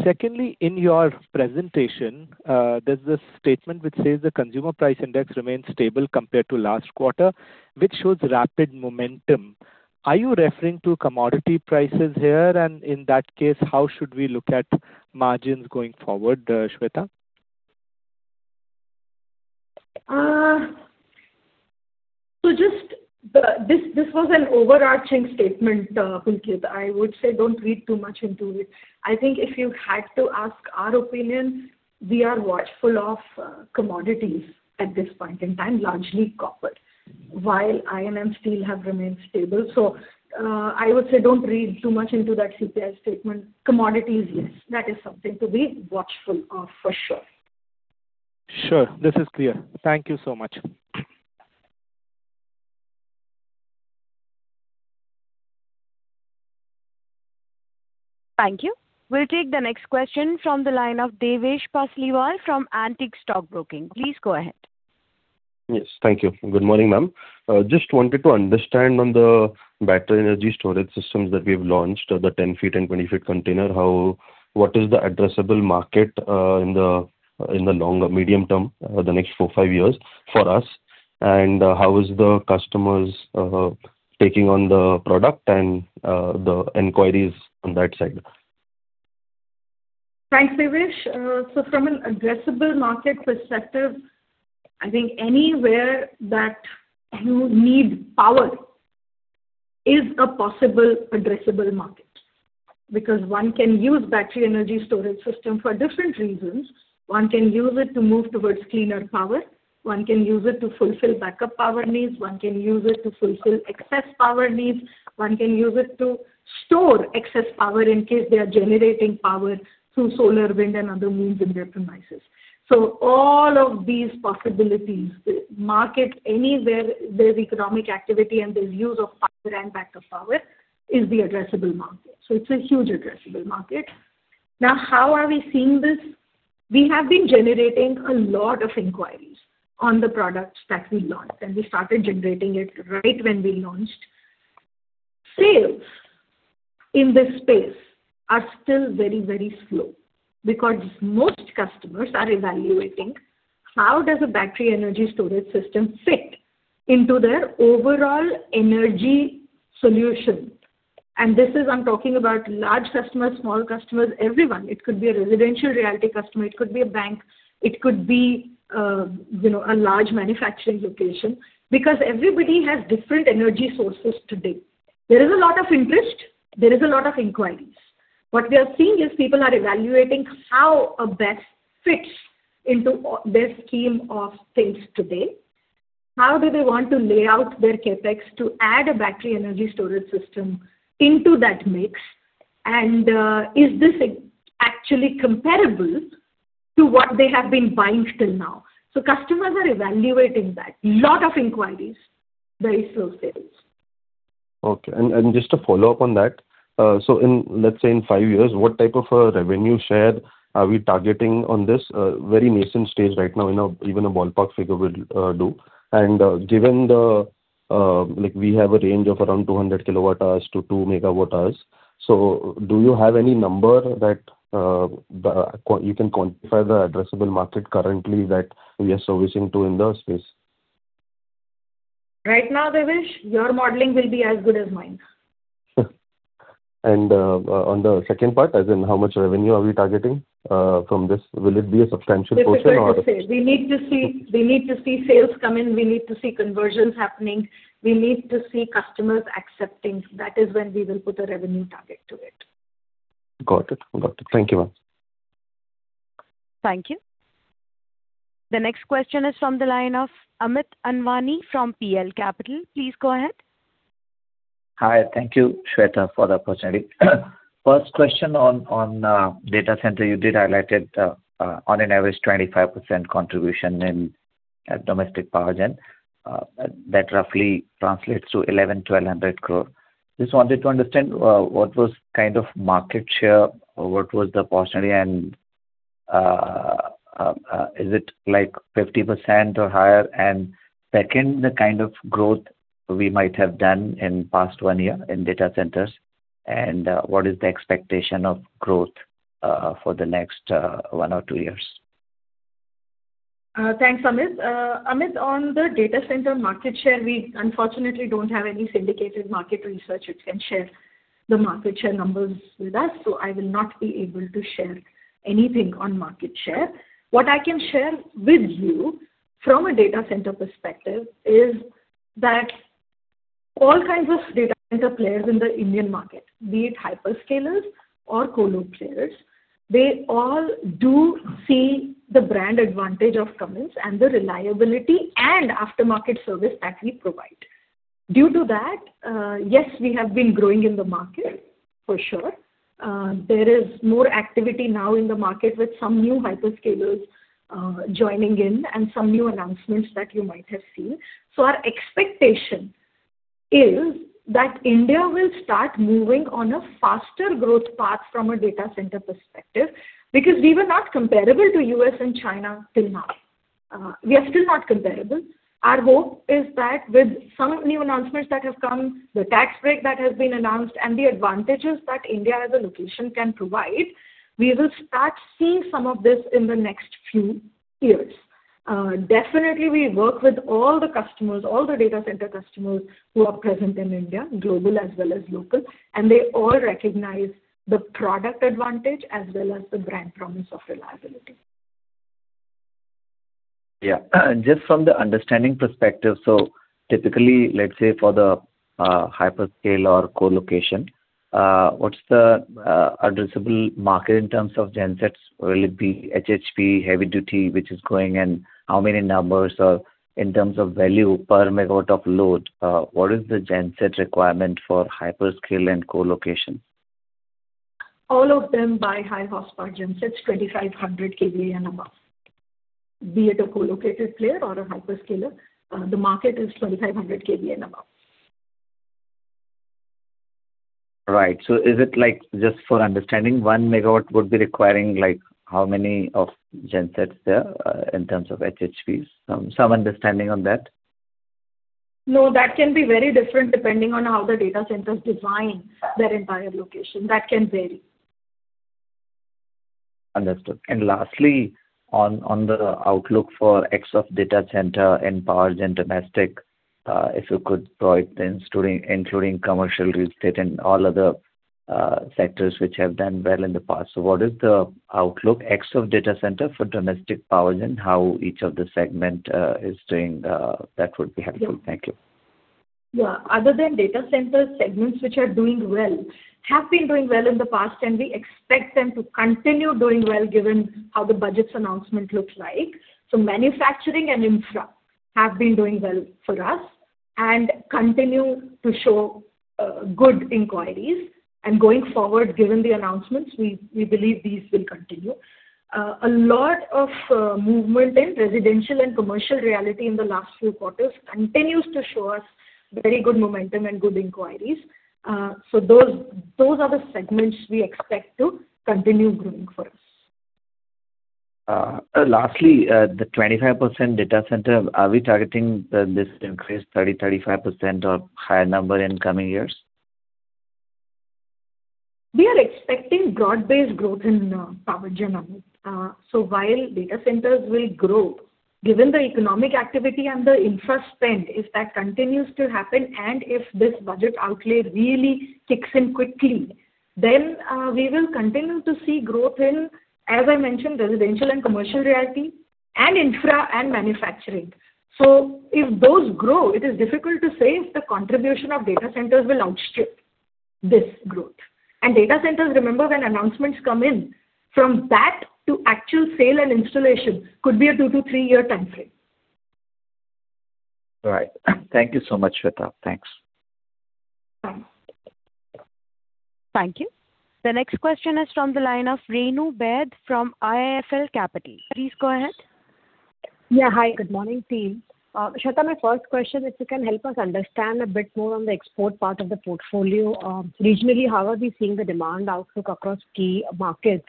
Secondly, in your presentation, there's this statement which says: "The consumer price index remains stable compared to last quarter, which shows rapid momentum." Are you referring to commodity prices here? And in that case, how should we look at margins going forward, Shveta? So just, this was an overarching statement, Pulkit. I would say don't read too much into it. I think if you had to ask our opinion, we are watchful of commodities at this point in time, largely copper. While iron and steel have remained stable, so I would say don't read too much into that CPI statement. Commodities, yes, that is something to be watchful of, for sure. Sure. This is clear. Thank you so much. Thank you. We'll take the next question from the line of Devesh Kasliwal from Antique Stock Broking. Please go ahead. Yes, thank you. Good morning, ma'am. Just wanted to understand on the battery energy storage systems that we've launched, the 10 feet and 20 feet container, how. What is the addressable market, in the long or medium term, the next four years, five years for us? And, how is the customers taking on the product and the inquiries on that side? Thanks, Devesh. So from an addressable market perspective, I think anywhere that you need power is a possible addressable market, because one can use battery energy storage system for different reasons. One can use it to move towards cleaner power. One can use it to fulfill backup power needs. One can use it to fulfill excess power needs. One can use it to store excess power in case they are generating power through solar, wind, and other means in their premises. So all of these possibilities, the market, anywhere there's economic activity and there's use of power and backup power, is the addressable market. So it's a huge addressable market. Now, how are we seeing this? We have been generating a lot of inquiries on the products that we launched, and we started generating it right when we launched. Sales in this space are still very, very slow, because most customers are evaluating how does a battery energy storage system fit into their overall energy solution? And this is, I'm talking about large customers, small customers, everyone. It could be a residential realty customer, it could be a bank, it could be, you know, a large manufacturing location. Because everybody has different energy sources today. There is a lot of interest, there is a lot of inquiries. What we are seeing is people are evaluating how a BESS fits into their scheme of things today, how do they want to lay out their CapEx to add a battery energy storage system into that mix, and is this actually comparable to what they have been buying till now? So customers are evaluating that. Lot of inquiries, very slow sales. Okay. And just to follow up on that, so in five years, what type of a revenue share are we targeting on this very nascent stage right now? You know, even a ballpark figure will do. And given the like, we have a range of around 200 kWh-2 MWh, so do you have any number that you can quantify the addressable market currently that we are servicing to in the space? Right now, Devesh, your modeling will be as good as mine. On the second part, as in how much revenue are we targeting from this, will it be a substantial portion or- Difficult to say. We need to see sales come in, we need to see conversions happening, we need to see customers accepting. That is when we will put a revenue target to it. Got it. Got it. Thank you, ma'am. Thank you. The next question is from the line of Amit Anwani from PL Capital. Please go ahead. Hi. Thank you, Shveta, for the opportunity. First question on data center. You did highlight it, on an average, 25% contribution in domestic power gen. That roughly translates to 1,100 crore-1,200 crore. Just wanted to understand what was kind of market share, what was the portion, and is it like 50% or higher? And second, the kind of growth we might have done in past one year in data centers, and what is the expectation of growth for the next one or two years? Thanks, Amit. Amit, on the data center market share, we unfortunately don't have any syndicated market research which can share the market share numbers with us, so I will not be able to share anything on market share. What I can share with you from a data center perspective is that all kinds of data center players in the Indian market, be it hyperscalers or colo players, they all do see the brand advantage of Cummins and the reliability and aftermarket service that we provide. Due to that, yes, we have been growing in the market for sure. There is more activity now in the market with some new hyperscalers, joining in and some new announcements that you might have seen. So our expectation is that India will start moving on a faster growth path from a data center perspective, because we were not comparable to U.S. and China till now. We are still not comparable. Our hope is that with some new announcements that have come, the tax break that has been announced, and the advantages that India as a location can provide, we will start seeing some of this in the next few years. Definitely we work with all the customers, all the data center customers who are present in India, global as well as local, and they all recognize the product advantage as well as the brand promise of reliability. Yeah. Just from the understanding perspective, so typically, let's say for the hyperscalers or colocation, what's the addressable market in terms of gensets? Will it be HHP, heavy duty, which is going, and how many numbers or in terms of value per megawatt of load, what is the genset requirement for hyperscalers and colocation? All of them buy High Horsepower gensets, 2,500 kVA and above. Be it a co-located player or a hyperscaler, the market is 2,500 kVA and above. Right. So is it like. Just for understanding, 1 MW would be requiring, like, how many gensets there, in terms of HHPs? Some understanding on that. No, that can be very different depending on how the data centers design their entire location. That can vary. Understood. Lastly, on the outlook for ex of data center and power gen domestic, if you could provide then, including commercial real estate and all other sectors which have done well in the past. What is the outlook ex of data center for domestic power gen, how each of the segment is doing, that would be helpful. Yeah. Thank you. Yeah. Other than data center, segments which are doing well have been doing well in the past, and we expect them to continue doing well, given how the budget's announcement looks like. So manufacturing and infra have been doing well for us and continue to show good inquiries. And going forward, given the announcements, we believe these will continue. A lot of movement in residential and commercial realty in the last few quarters continues to show us very good momentum and good inquiries. So those are the segments we expect to continue growing for us. Lastly, the 25% data center, are we targeting that this increase 30, 35% or higher number in coming years? We are expecting broad-based growth in power generation. So while data centers will grow, given the economic activity and the infra spend, if that continues to happen, and if this budget outlay really kicks in quickly, then we will continue to see growth in, as I mentioned, residential and commercial realty, and infra and manufacturing. So if those grow, it is difficult to say if the contribution of data centers will outstrip this growth. And data centers, remember, when announcements come in, from that to actual sale and installation could be a two-year to three-year timeframe. All right. Thank you so much, Shveta. Thanks. Thanks. Thank you. The next question is from the line of Renu Baid from IIFL Capital. Please go ahead. Yeah. Hi, good morning, team. Shveta, my first question, if you can help us understand a bit more on the export part of the portfolio. Regionally, how are we seeing the demand outlook across key markets?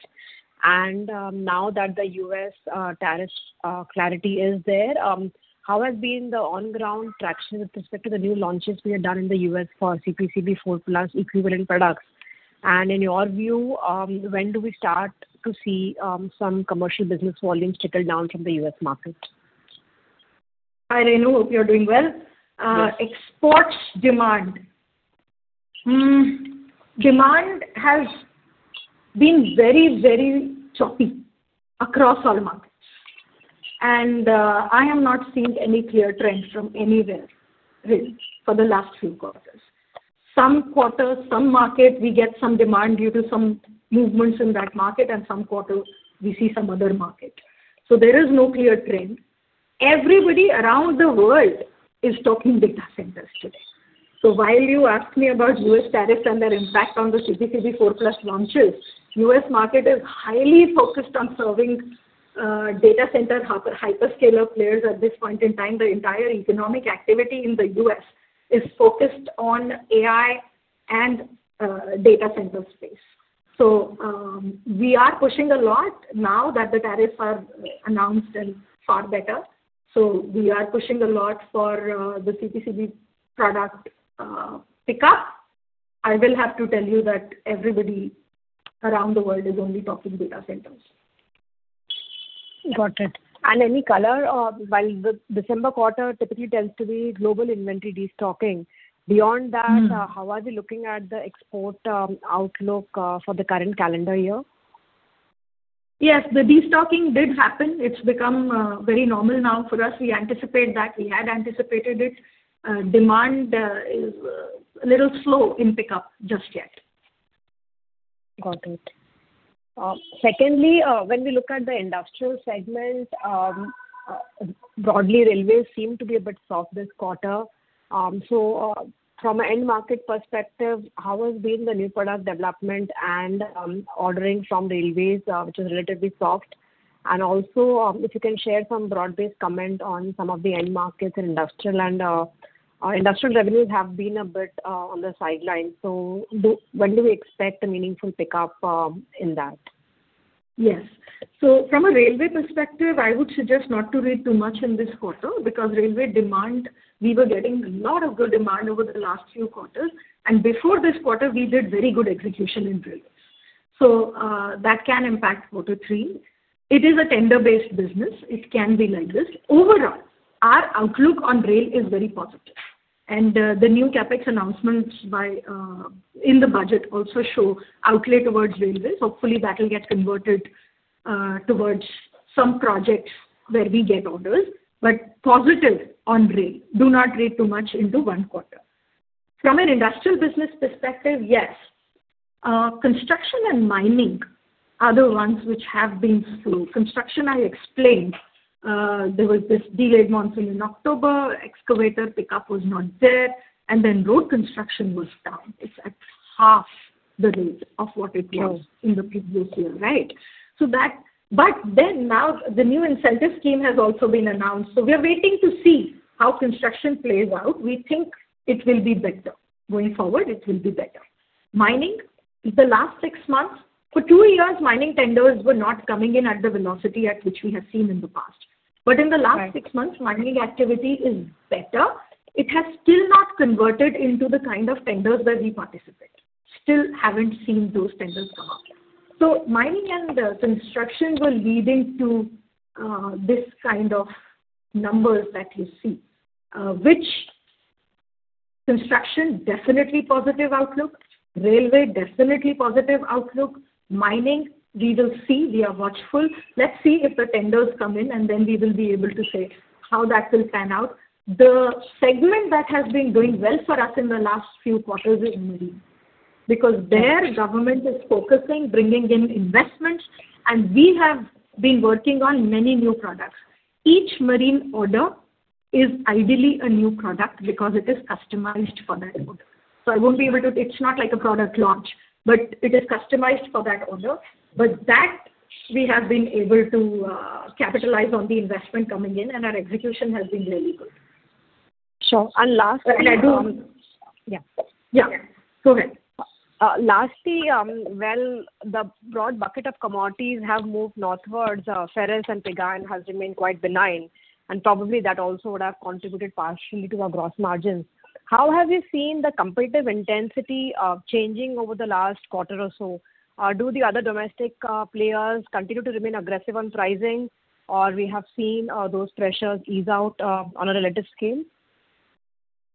And, now that the U.S. tariff clarity is there, how has been the on-ground traction with respect to the new launches we have done in the U.S. for CPCB IV+ equivalent products? And in your view, when do we start to see some commercial business volumes trickle down from the U.S. market? Hi, Renu, hope you're doing well. Yes. Exports demand. Demand has been very, very choppy across all markets, and I have not seen any clear trends from anywhere, really, for the last few quarters. Some quarters, some market, we get some demand due to some movements in that market, and some quarters we see some other market. So there is no clear trend. Everybody around the world is talking data centers today. So while you ask me about U.S. tariffs and their impact on the CPCB IV+ launches, U.S. market is highly focused on serving data center hyperscaler players at this point in time. The entire economic activity in the U.S. is focused on AI and data center space. So we are pushing a lot now that the tariffs are announced and far better. So we are pushing a lot for the CPCB product pickup. I will have to tell you that everybody around the world is only talking data centers. Got it. Any color while the December quarter typically tends to be global inventory destocking. Beyond that- Mm. How are we looking at the export outlook for the current calendar year? Yes, the destocking did happen. It's become very normal now for us. We anticipate that. We had anticipated it. Demand is a little slow in pickup just yet. Got it. Secondly, when we look at the industrial segment, broadly, railways seem to be a bit soft this quarter. So, from an end market perspective, how has been the new product development and, ordering from railways, which is relatively soft? And also, if you can share some broad-based comment on some of the end markets in industrial and. Our industrial revenues have been a bit, on the sidelines, so when do we expect a meaningful pickup, in that? Yes. So from a railway perspective, I would suggest not to read too much in this quarter, because railway demand, we were getting a lot of good demand over the last few quarters, and before this quarter, we did very good execution in railways. So, that can impact quarter three. It is a tender-based business. It can be like this. Overall, our outlook on rail is very positive, and, the new CapEx announcements by, in the budget also show outlay towards railways. Hopefully, that will get converted, towards some projects where we get orders. But positive on rail, do not read too much into one quarter. From an industrial business perspective, yes, construction and mining are the ones which have been slow. Construction, I explained, there was this delayed monsoon in October, excavator pickup was not there, and then road construction was down. It's at half the rate of what it was- Wow! In the previous year, right? So that. But then, now the new incentive scheme has also been announced, so we are waiting to see how construction plays out. We think it will be better. Going forward, it will be better. Mining, the last six months. For two years, mining tenders were not coming in at the velocity at which we have seen in the past. Right. But in the last six months, mining activity is better. It has still not converted into the kind of tenders that we participate. Still haven't seen those tenders come up. So mining and, construction were leading to, this kind of numbers that you see, which construction, definitely positive outlook. Railway, definitely positive outlook. Mining, we will see. We are watchful. Let's see if the tenders come in, and then we will be able to say how that will pan out. The segment that has been doing well for us in the last few quarters is marine, because the government is focusing, bringing in investments, and we have been working on many new products. Each marine order is ideally a new product because it is customized for that order. So I won't be able to. It's not like a product launch, but it is customized for that order. But that we have been able to capitalize on the investment coming in, and our execution has been really good. Sure. And lastly, I do. Yeah. Yeah. Go ahead. Lastly, well, the broad bucket of commodities have moved northwards, ferrous and non-ferrous has remained quite benign, and probably that also would have contributed partially to our gross margins. How have you seen the competitive intensity changing over the last quarter or so? Do the other domestic players continue to remain aggressive on pricing, or we have seen those pressures ease out on a relative scale?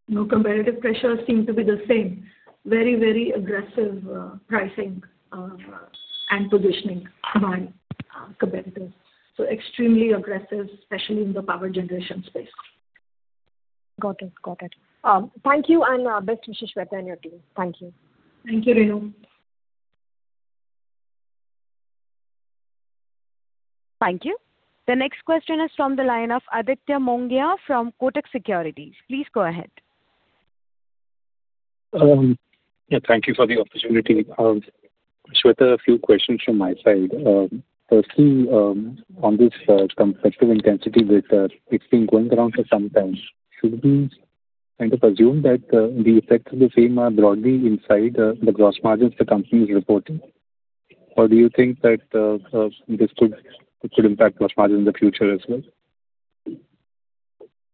No, competitive pressures seem to be the same. Very, very aggressive, pricing, and positioning by, competitors. So extremely aggressive, especially in the power generation space. Got it. Got it. Thank you, and best wishes, Shveta, and your team. Thank you. Thank you, Renu. Thank you. The next question is from the line of Aditya Mongia from Kotak Securities. Please go ahead. Yeah, thank you for the opportunity. Shveta, a few questions from my side. Firstly, on this competitive intensity that it's been going around for some time, should we kind of assume that the effects of the same are broadly inside the gross margins the company is reporting? Or do you think that this could impact gross margin in the future as well?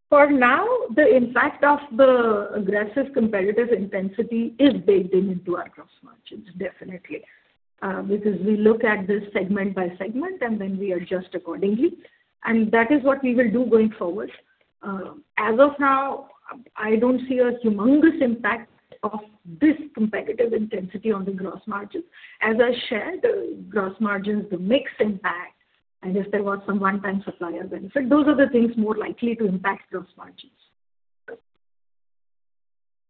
For now, the impact of the aggressive competitive intensity is baked into our gross margins, definitely, because we look at this segment by segment, and then we adjust accordingly, and that is what we will do going forward. As of now, I don't see a humongous impact of this competitive intensity on the gross margins. As I shared, the gross margins, the mix impact, and if there was some one-time supplier benefit, those are the things more likely to impact gross margins.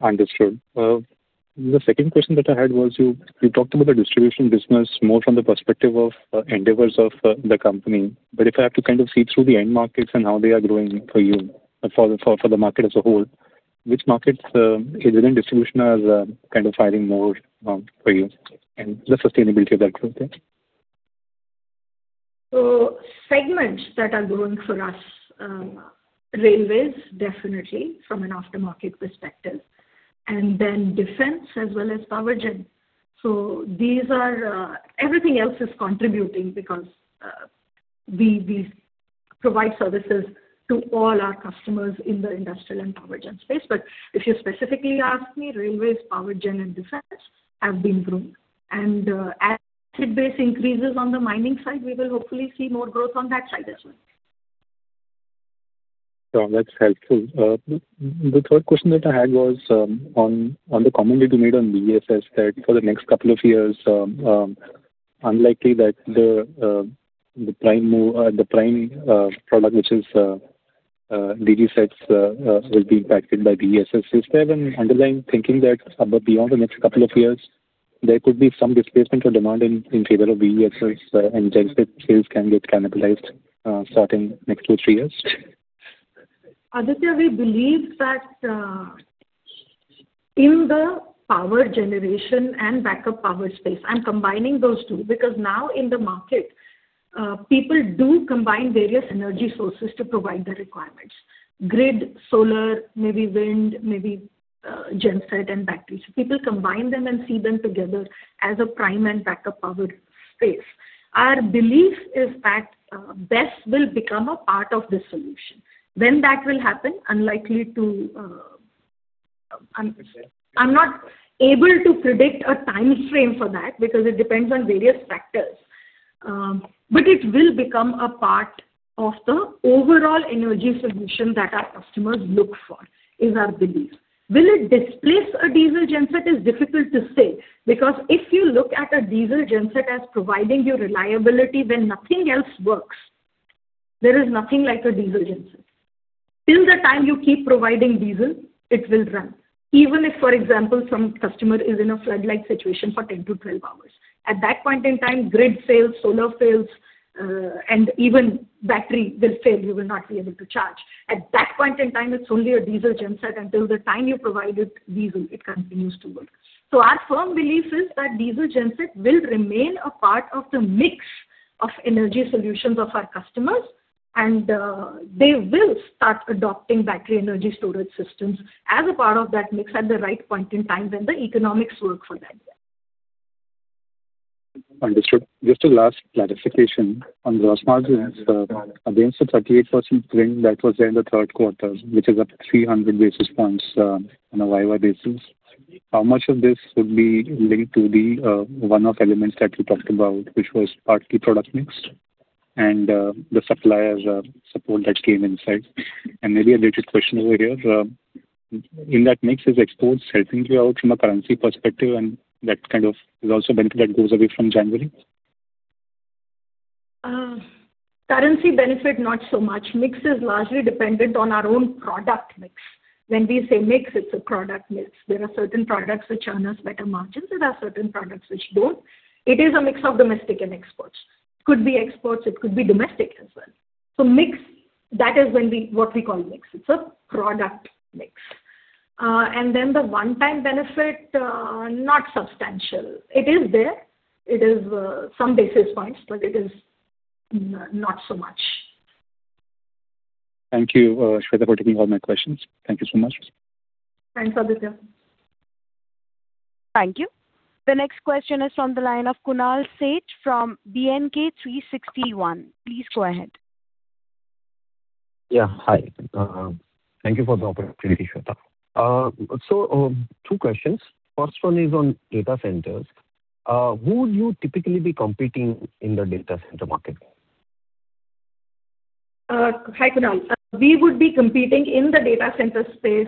Understood. The second question that I had was you, you talked about the distribution business more from the perspective of endeavors of the company. But if I have to kind of see through the end markets and how they are growing for you, for the market as a whole, which markets is in distribution as kind of firing more for you and the sustainability of that growth there? So segments that are growing for us, railways, definitely from an aftermarket perspective, and then defense as well as power gen. So these are, everything else is contributing because we provide services to all our customers in the industrial and power gen space. But if you specifically ask me, railways, power gen, and defense have been growing. And as base increases on the mining side, we will hopefully see more growth on that side as well. Sure, that's helpful. The third question that I had was on the comment that you made on BESS, that for the next couple of years, unlikely that the prime product, which is gensets, will be impacted by BESS. Is there an underlying thinking that about beyond the next couple of years, there could be some displacement or demand in favor of BESS, and genset sales can get cannibalized starting next two, three years? Aditya, we believe that in the power generation and backup power space, I'm combining those two, because now in the market, people do combine various energy sources to provide the requirements. Grid, solar, maybe wind, maybe, genset and batteries. People combine them and see them together as a prime and backup power space. Our belief is that BESS will become a part of the solution. When that will happen, unlikely to, I'm not able to predict a time frame for that because it depends on various factors. But it will become a part of the overall energy solution that our customers look for, is our belief. Will it displace a diesel genset? Is difficult to say, because if you look at a diesel genset as providing you reliability when nothing else works, there is nothing like a diesel genset. Till the time you keep providing diesel, it will run. Even if, for example, some customer is in a flood-like situation for 10 hours-12 hours, at that point in time, grid fails, solar fails, and even battery will fail, you will not be able to charge. At that point in time, it's only a diesel genset until the time you provide it diesel, it continues to work. So our firm belief is that diesel genset will remain a part of the mix of energy solutions of our customers, and they will start adopting battery energy storage systems as a part of that mix at the right point in time when the economics work for that. Understood. Just a last clarification on gross margins, against the 38% trend that was there in the third quarter, which is up 300 basis points, on a YoY basis, how much of this would be linked to the, one-off elements that you talked about, which was partly product mix and, the suppliers, support that came inside? Maybe a related question over here, in that mix, is exports helping you out from a currency perspective, and that kind of is also a benefit that goes away from January? Currency benefit, not so much. Mix is largely dependent on our own product mix. When we say mix, it's a product mix. There are certain products which earn us better margins, there are certain products which don't. It is a mix of domestic and exports. Could be exports, it could be domestic as well. So mix, that is what we call mix. It's a product mix. And then the one-time benefit, not substantial. It is there. It is some basis points, but it is not so much. Thank you, Shveta, for taking all my questions. Thank you so much. Thanks, Aditya. Thank you. The next question is on the line of Kunal Sheth from B&K Securities. Please go ahead. Yeah, hi. Thank you for the opportunity, Shveta. So, two questions. First one is on data centers. Who would you typically be competing in the data center market? Hi, Kunal. We would be competing in the data center space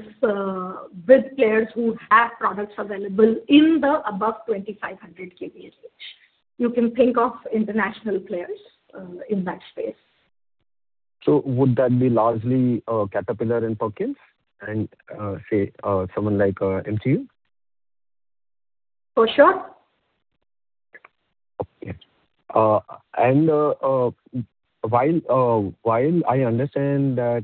with players who have products available in the above 2500 kVA range. You can think of international players in that space. So would that be largely, Caterpillar and Perkins and, say, someone like, MTU? For sure. Okay. And while I understand that,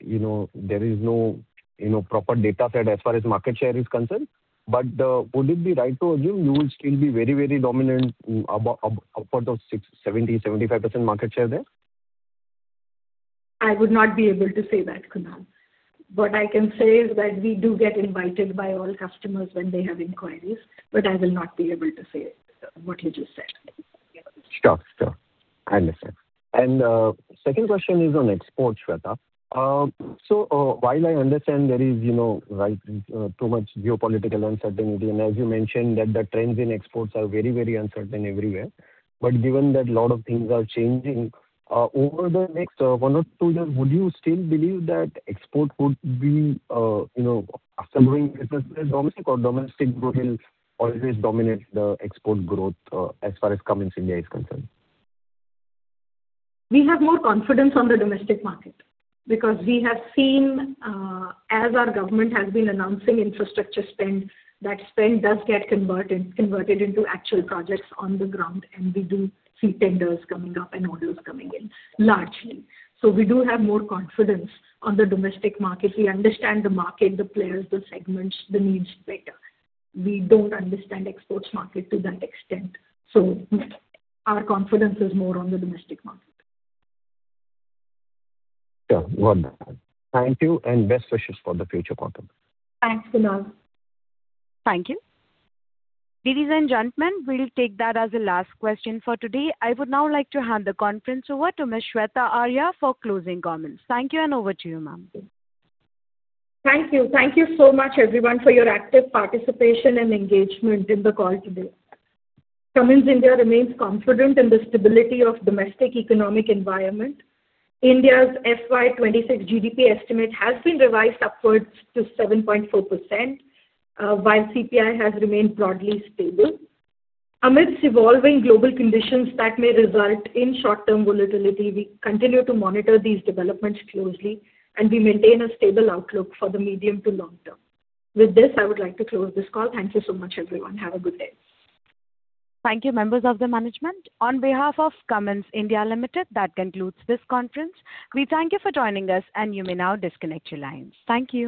you know, there is no, you know, proper data set as far as market share is concerned, but would it be right to assume you will still be very, very dominant, upward of 60%, 70%, 75% market share there? I would not be able to say that, Kunal. What I can say is that we do get invited by all customers when they have inquiries, but I will not be able to say what you just said. Sure, sure. I understand. And second question is on exports, Shveta. So, while I understand there is, you know, like, too much geopolitical uncertainty, and as you mentioned, that the trends in exports are very, very uncertain everywhere. But given that a lot of things are changing over the next one or two years, would you still believe that export would be, you know, outselling business domestic or domestic growth will always dominate the export growth, as far as Cummins India is concerned? We have more confidence on the domestic market because we have seen, as our government has been announcing infrastructure spend, that spend does get converted into actual projects on the ground, and we do see tenders coming up and orders coming in, largely. So we do have more confidence on the domestic market. We understand the market, the players, the segments, the needs better. We don't understand exports market to that extent, so yes, our confidence is more on the domestic market. Sure. Well, thank you and best wishes for the future, Kunal. Thanks, Kunal. Thank you. Ladies and gentlemen, we'll take that as the last question for today. I would now like to hand the conference over to Ms. Shveta Arya for closing comments. Thank you, and over to you, ma'am. Thank you. Thank you so much, everyone, for your active participation and engagement in the call today. Cummins India remains confident in the stability of domestic economic environment. India's FY 2026 GDP estimate has been revised upwards to 7.4%, while CPI has remained broadly stable. Amidst evolving global conditions that may result in short-term volatility, we continue to monitor these developments closely, and we maintain a stable outlook for the medium to long term. With this, I would like to close this call. Thank you so much, everyone. Have a good day. Thank you, members of the management. On behalf of Cummins India Limited, that concludes this conference. We thank you for joining us, and you may now disconnect your lines. Thank you.